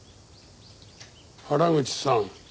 原口さん。